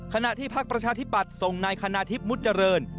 ขณะที่ภาคประชาธิบัตรส่งนายคณาธิบมุจรณ